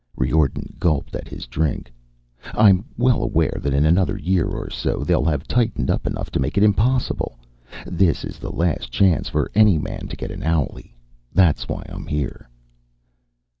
Riordan gulped at his drink. "I'm well aware that in another year or so they'll have tightened up enough to make it impossible. This is the last chance for any man to get an owlie. That's why I'm here."